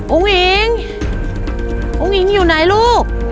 อุ้งอิ๋งอุ้งอิงอยู่ไหนลูก